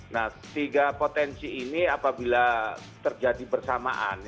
nah tiga potensi ini apabila terjadi bersamaan